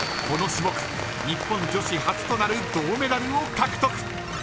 この種目、日本女子初となる銅メダルを獲得。